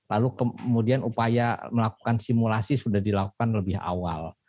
lalu kemudian upaya melakukan simulasi sudah dilakukan lebih awal